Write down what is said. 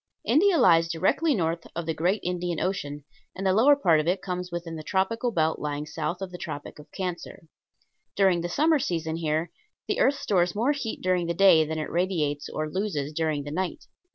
India lies directly north of the great Indian Ocean, and the lower part of it comes within the tropical belt lying south of the Tropic of Cancer. During the summer season here the earth stores more heat during the day than it radiates or loses during the night.